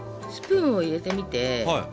スプーンを入れてみて。